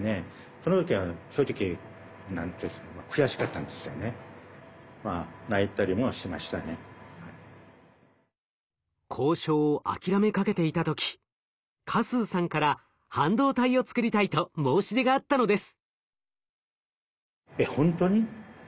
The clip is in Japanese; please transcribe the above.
その時は正直何て言うんですか交渉を諦めかけていた時嘉数さんから「半導体をつくりたい」と申し出があったのです。